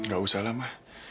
gak usah lah ma